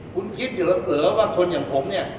คุณคิดเหลือว่าคนอย่างผมเนี่ย